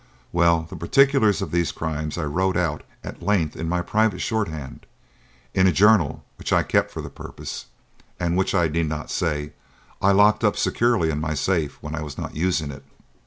Well, the particulars of these crimes I wrote out at length, in my private shorthand, in a journal which I kept for the purpose and which, I need not say, I locked up securely in my safe when I was not using it.